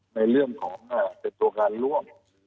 ในเรื่องของเป็นตัวการร่วม